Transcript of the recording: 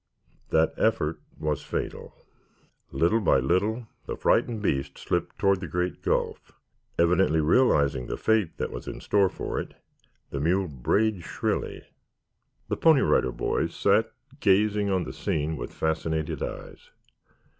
That effort was fatal. Little by little the frightened beast slipped toward the great gulf. Evidently realizing the fate that was in store for it, the mule brayed shrilly. The Pony Rider Boys sat gazing on the scene with fascinated eyes.